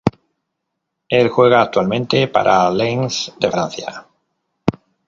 Él juega actualmente para Lens de Francia.